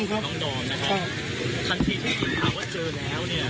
ทันทีที่ได้ยินข่าวว่าเจอเนี้ย